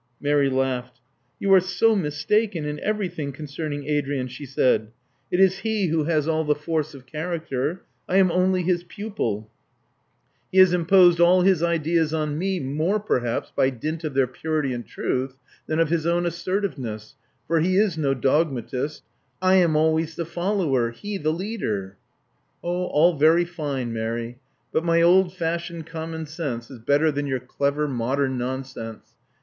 Mary laughed. ''You are so mistaken in everything concerning Adrian!" she said. •'It is he who has all the force of character: I am only his pupil. He has Love Among the Artists 35 imposed all his ideas on me, more, perhaps, by dint of their purity and truth than of his own assertiveness; for he is no dogmatist I am always the follower: he the leader." All very fine, Mary; but my old fashioned common sense is better than your clever modern nonsense.